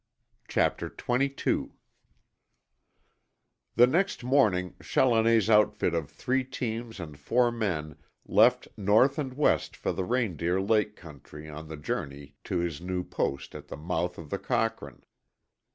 CHAPTER TWENTY TWO The next morning Challoner's outfit of three teams and four men left north and west for the Reindeer Lake country on the journey to his new post at the mouth of the Cochrane.